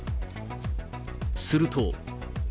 すると。